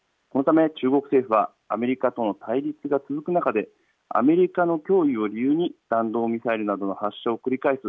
そのため中国政府はアメリカとの対立が続く中でアメリカの脅威を理由に弾道ミサイルなどの発射を繰り返す